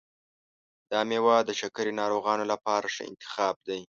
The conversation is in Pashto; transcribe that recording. دا میوه د شکرې ناروغانو لپاره ښه انتخاب دی.